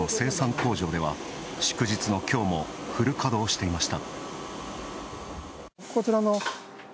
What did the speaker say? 工場では祝日のきょうもフル稼働していました。